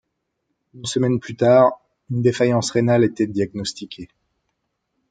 Une semaine plus tard, une défaillance rénale était diagnostiquée.